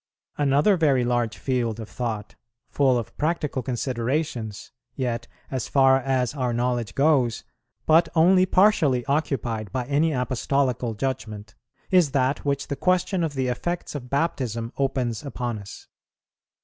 Another very large field of thought, full of practical considerations, yet, as far as our knowledge goes, but only partially occupied by any Apostolical judgment, is that which the question of the effects of Baptism opens upon us.